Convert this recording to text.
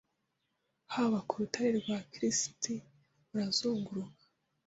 Haba ku rutare rwa kirisiti urazunguruka